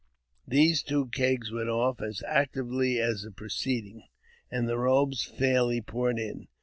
These two kegs went off as actively as the preceding,, and the robes fairly poured in.